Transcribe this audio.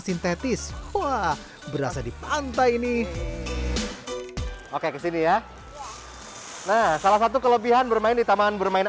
sintetis wah berasa di pantai nih oke kesini ya nah salah satu kelebihan bermain di taman bermain